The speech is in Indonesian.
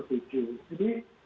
jadi sebetulnya memang pemerintah